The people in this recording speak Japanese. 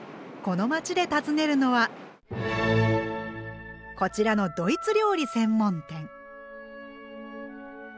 この街で訪ねるのはこちらのドイツ料理専門店。